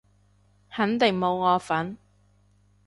肯定冇我份